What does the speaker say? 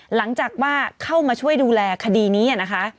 หลังจากว่าเข้ามาช่วยดูแลคดีนี้นะคะ